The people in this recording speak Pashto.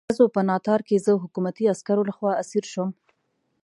د ډزو په ناتار کې زه د حکومتي عسکرو لخوا اسیر شوم.